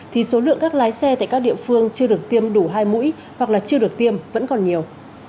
thì số lượng các lái xe tại các địa phương chưa được tiêm đủ hai mũi hoặc là chưa được tiêm vẫn còn nhiều